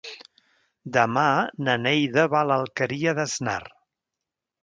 Demà na Neida va a l'Alqueria d'Asnar.